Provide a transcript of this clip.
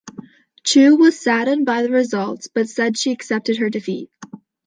Chew was "saddened by the results", but said she accepted her defeat.